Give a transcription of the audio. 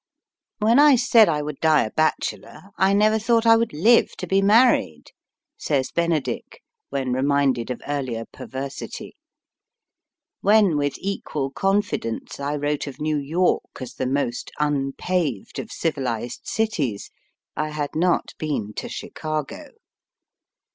^^ When I said I would die a bachelor I never thought I would live to be married," says Benedick, when reminded of earlier perversity. When with equal confidence I wrote of New York as the most unpaved of civilized cities, I had not been to Chicago.